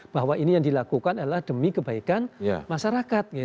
bahwa ini yang dilakukan adalah demi kebaikan masyarakat